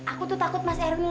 aku tuh takut mas erwin